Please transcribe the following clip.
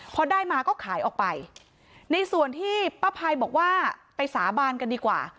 พอได้มาก็ขายออกไปในส่วนที่ป้าภัยบอกว่าไปสาบานกันดีกว่า